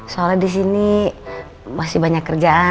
soalnya di sini masih banyak kerjaan